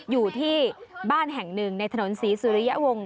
อยู่ที่บ้านแห่งหนึ่งในถนนศรีสุริยวงศ